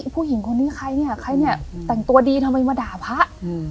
ผู้หญิงคนนี้ใครเนี่ยใครเนี่ยแต่งตัวดีทำไมมาด่าพระ